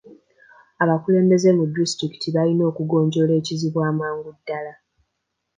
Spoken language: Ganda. Abakulembeze ba disitulikiti balina okugonjoola ekizibu amangu ddala.